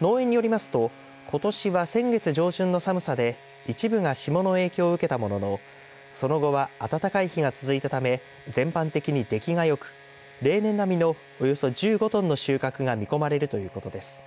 農園によりますとことしは、先月上旬の寒さで一部が霜の影響を受けたもののその後は暖かい日が続いたため全般的に出来がよく例年並みのおよそ１５トンの収穫が見込まれるということです。